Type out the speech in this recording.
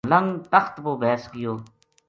ملنگ تخت پو بیس گیو